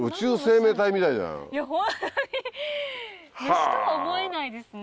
虫とは思えないですね。